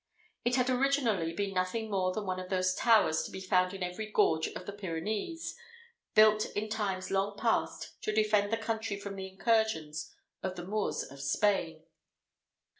It had originally been nothing more than one of those towers to be found in every gorge of the Pyrenees, built in times long past to defend the country from the incursions of the Moors of Spain.